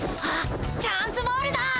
あっチャンスボールだ！